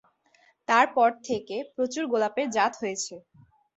তার পর থেকে প্রচুর গোলাপের জাত হয়েছে।